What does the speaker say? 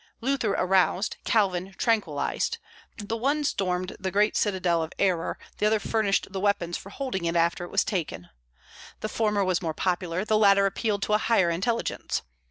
"Luther aroused; Calvin tranquillized," The one stormed the great citadel of error, the other furnished the weapons for holding it after it was taken. The former was more popular; the latter appealed to a higher intelligence.